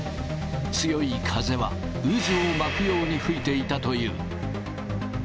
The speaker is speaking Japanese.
強い風は渦を巻くように吹いていたという。